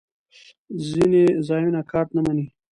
ځینې ځایونه کارت نه منی